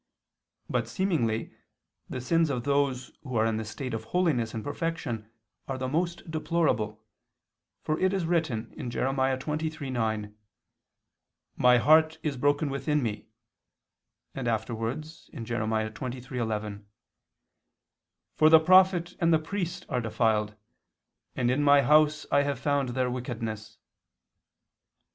But seemingly the sins of those who are in the state of holiness and perfection are the most deplorable, for it is written (Jer. 23:9): "My heart is broken within me," and afterwards (Jer. 23:11): "For the prophet and the priest are defiled; and in My house I have found their wickedness."